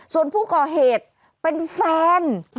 ส่วนผู้ก่อเหตุเป็นแฟน